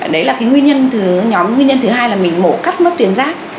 đấy là cái nguyên nhân thứ hai là mình mổ cắt mốc tuyến giáp